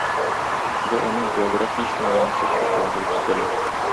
Бу аның биографиясенә яңа сәхифә булып өстәлә.